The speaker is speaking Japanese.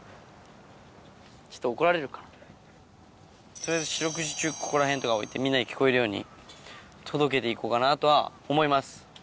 取りあえず四六時中ここら辺とかに置いてみんなに聴こえるように届けていこうかなとは思います。